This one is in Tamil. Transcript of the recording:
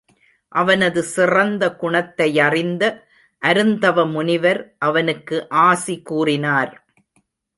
அவனது சிறந்த குணத்தை யறிந்த அருந்தவ முனிவர் அவனுக்கு ஆசி கூறினார்.